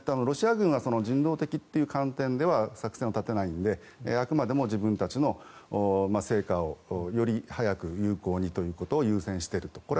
ロシア軍は人道的という観点では作戦を立てないのであくまでも自分たちの成果をより早く有効にということを優先していると。